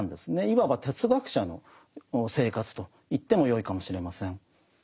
いわば哲学者の生活と言ってもよいかもしれません。